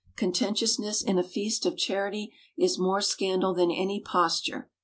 Contentiousness in a feast of charity is more scandal than any posture.